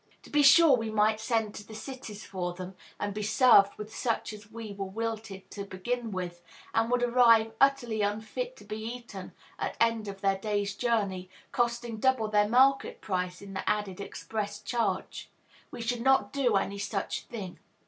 To be sure, we might send to the cities for them, and be served with such as were wilted to begin with, and would arrive utterly unfit to be eaten at end of their day's journey, costing double their market price in the added express charge. We should not do any such thing.